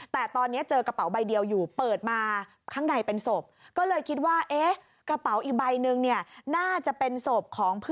แต่ตอนนี้เจอกระเป๋าใบเดียวอยู่เปิดมาข้างในเป็นศพ